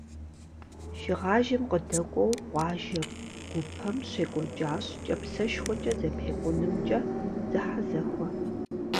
Шыгъажэм къыдэкӏуэу къуажэм гупэм щекӏуэкӏащ кӏапсэшхуэкӏэ зэпекъунымкӏэ зэхьэзэхуэ.